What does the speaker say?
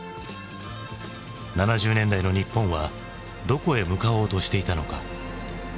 ７０年代の日本はどこへ向かおうとしていたのか？